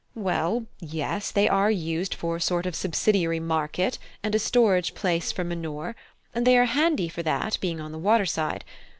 Well, yes, they are used for a sort of subsidiary market, and a storage place for manure, and they are handy for that, being on the waterside.